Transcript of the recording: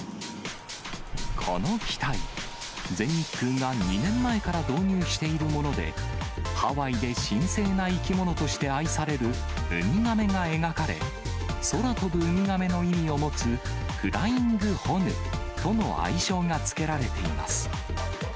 この機体、全日空が２年前から導入しているもので、ハワイで神聖な生き物として愛されるウミガメが描かれ、空飛ぶウミガメの意味を持つ、フライングホヌとの愛称がつけられています。